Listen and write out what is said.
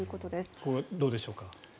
これはどうでしょうか。